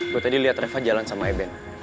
gue tadi lihat reva jalan sama eben